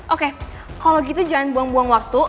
oke kalau gitu jangan buang buang waktu